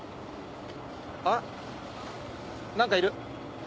あっ何かいる。